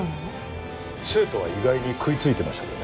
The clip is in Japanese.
生徒は意外に食いついてましたけどね。